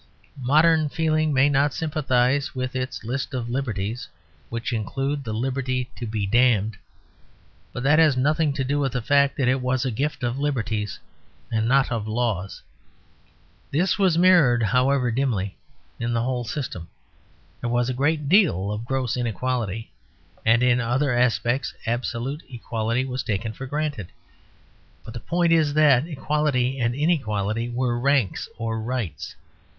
Modern feeling may not sympathise with its list of liberties, which included the liberty to be damned; but that has nothing to do with the fact that it was a gift of liberties and not of laws. This was mirrored, however dimly, in the whole system. There was a great deal of gross inequality; and in other aspects absolute equality was taken for granted. But the point is that equality and inequality were ranks or rights.